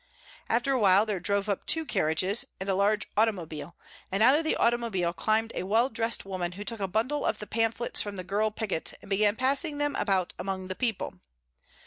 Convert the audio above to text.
After a while there drove up two carriages and a large automobile, and out of the automobile climbed a well dressed woman who took a bundle of the pamphlets from the girl picket and began passing them about among the people.